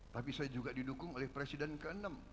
tapi saya juga didukung oleh presiden ke enam